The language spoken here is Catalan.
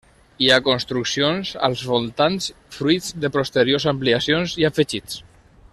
Hi ha construccions als voltants, fruits de posteriors ampliacions i afegits.